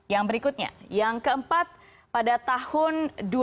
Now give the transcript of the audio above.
yang berikutnya yang keempat pada tahun dua ribu dua